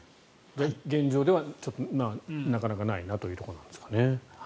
現状ではちょっとなかなかないなというところなんですかね。